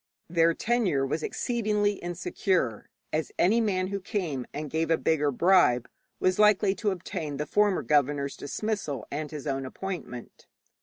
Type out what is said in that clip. Their tenure was exceedingly insecure, as any man who came and gave a bigger bribe was likely to obtain the former governor's dismissal and his own appointment.